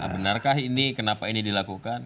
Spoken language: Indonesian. benarkah ini kenapa ini dilakukan